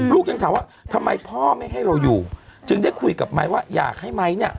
ยังถามว่าทำไมพ่อไม่ให้เราอยู่จึงได้คุยกับไม้ว่าอยากให้ไมค์เนี่ย